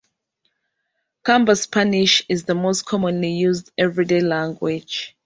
Camba Spanish is the most commonly used everyday language.